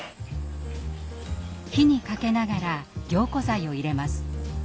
火にかけながら凝固剤を入れます。